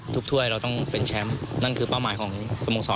ถ้วยเราต้องเป็นแชมป์นั่นคือเป้าหมายของสโมสร